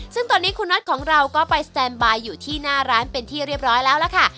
ซึ่งตอนนี้คุณน็อตของเราก็ไปสแตนบายอยู่ที่หน้าร้านเป็นที่เรียบร้อยแล้วล่ะค่ะ